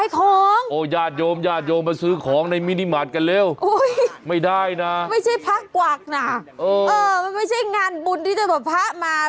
แถมมานั่งขายของด้วยเอ้า